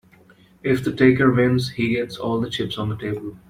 If the taker wins, he gets all the chips on the table.